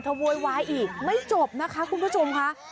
โวยวายอีกไม่จบนะคะคุณผู้ชมค่ะ